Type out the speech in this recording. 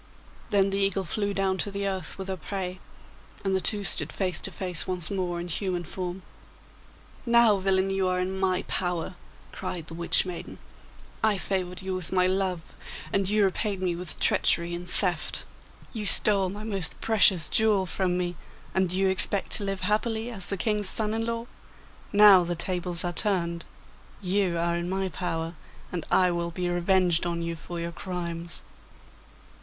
Then the eagle flew down to the earth with her prey, and the two stood face to face once more in human form. 'Now, villain, you are in my power!' cried the Witch maiden. 'I favoured you with my love, and you repaid me with treachery and theft. You stole my most precious jewel from me, and do you expect to live happily as the King's son in law? Now the tables are turned; you are in my power, and I will be revenged on you for your crimes.